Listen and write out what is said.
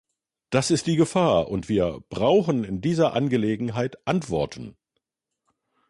Das ist die Gefahr, und wir brauchen in dieser Angelegenheit Antworten.